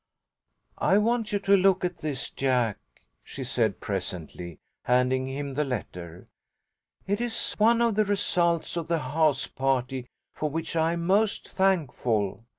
"I want you to look at this, Jack," she said, presently, handing him the letter. "It is one of the results of the house party for which I am most thankful.